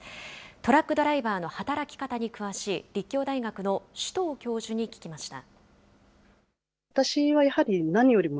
トラックドライバーの働き方に詳しい立教大学の首藤教授に聞きました。